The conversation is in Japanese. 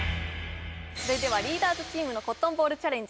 それではリーダーズチームのコットンボールチャレンジ